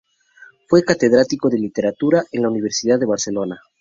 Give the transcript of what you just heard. Fue catedrático de literatura en la Universidad de Barcelona.